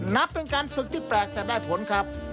นับเป็นการฝึกที่แปลกแต่ได้ผลครับ